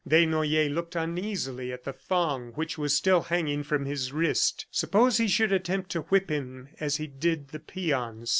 Desnoyers looked uneasily at the thong which was still hanging from his wrist. Suppose he should attempt to whip him as he did the peons?